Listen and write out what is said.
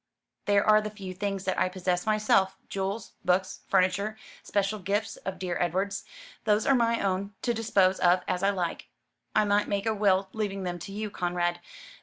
"There are the few things that I possess myself jewels, books, furniture special gifts of dear Edward's. Those are my own, to dispose of as I like. I might make a will leaving them to you, Conrad.